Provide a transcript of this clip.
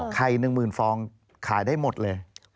ใคร๑๐๐๐๐ฟอร์กขายได้หมดเลย